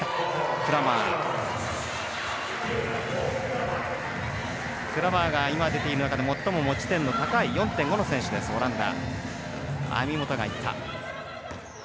クラーマーが今出ている中で最も持ち点の高い４．５の選手です、オランダ。